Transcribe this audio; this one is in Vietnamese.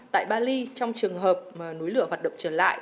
tại bali trong trường hợp mà núi lửa hoạt động trở lại